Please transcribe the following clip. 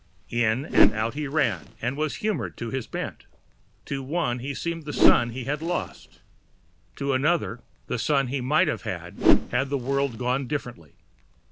In and out he ran, and was humored to his bent. To one he seemed the son he had lost, to another the son he might have had, had the world gone differently.